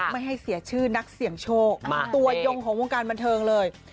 ไม่ให้เสียชื่อนักเสี่ยงโชคตัวยงของวงการบันเทิงเลย